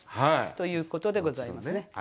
ということでございますね。